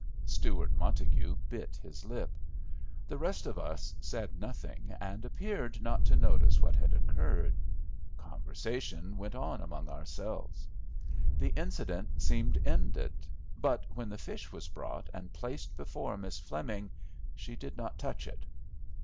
Stewart Montague bit his lip. The rest of us said nothing, and appeared not to notice what had occurred. Conversation went on among ourselves. The incident seemed ended; but, when the fish was brought, and placed before Miss Fleming, she did not touch it.